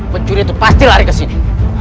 pencuri itu pasti lari ke sini